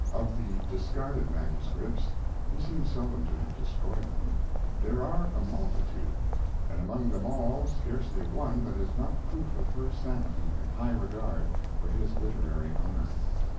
Of the discarded manuscripts (he seems seldom to have destroyed them) there are a multitude, and among them all scarcely one that is not a proof of her sanity and high regard for his literary honor.